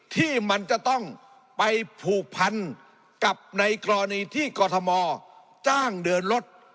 ที่มันจะต้องไปผูกพันกับในกรณีที่กรทมจ้างเดินรถ